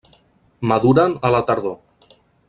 Maduren a la tardor.